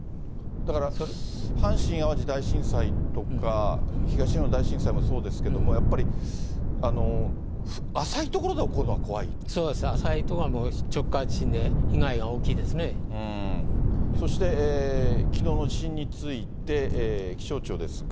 だから阪神・淡路大震災とか、東日本大震災もそうですけど、やっぱり、そうです、浅い所は直下地震そして、きのうの地震について、気象庁ですが。